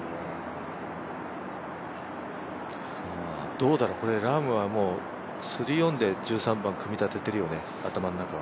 どうだろう、ラームはもう３オンで組み立ててるよね、頭の中は。